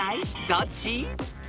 どっち？］